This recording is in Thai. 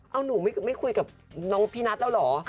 เอาหนูไม่คุยกับน้องพี่นัทแล้วเหรอ